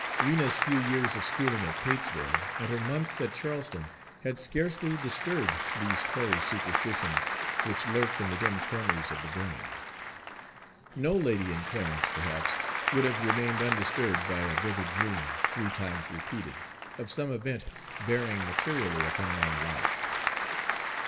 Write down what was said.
Rena's few years of schooling at Patesville and her months at Charleston had scarcely disturbed these hoary superstitions which lurk in the dim corners of the brain. No lady in Clarence, perhaps, would have remained undisturbed by a vivid dream, three times repeated, of some event bearing materially upon her own life.